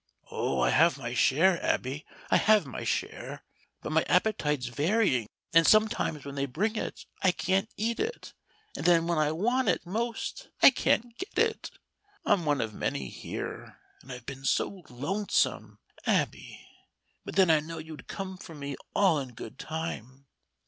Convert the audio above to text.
"Oh, I have my share, Abby; I have my share. But my appetite's varying, and sometimes when they bring it I can't eat it, and then when I want it most I can't get it. I'm one of many here, and I've been so lonesome, Abby. But then I knew you'd come for me all in good time.